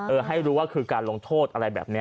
ให้รู้ว่าคือการลงโทษอะไรแบบนี้